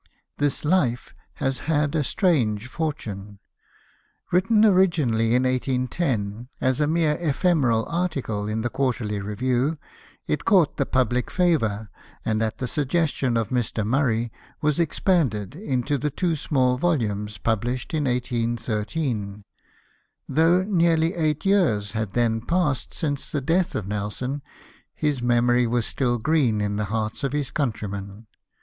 This Life has had a strange fortune. Written originally in 1810 as a mere ephemeral article in the Quarterly Revieiu, it caught the public favour, and at the suggestion of Mr. Murray, was expanded into the two small volumes published in 1813. Though nearly eight years had then passed since the death of Nelson, his memory was still green in the hearts of his countrymen.